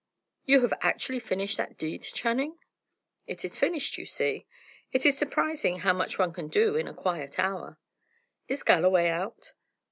You have actually finished that deed, Channing?" "It is finished, you see. It is surprising how much one can do in a quiet hour!" "Is Galloway out?"